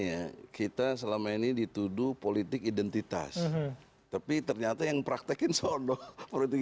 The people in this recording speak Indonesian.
ya kita selama ini dituduh politik identitas tapi ternyata yang praktekin sondo politik